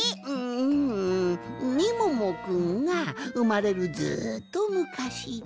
んみももくんがうまれるずっとむかしじゃ。